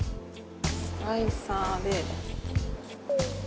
スライサーで。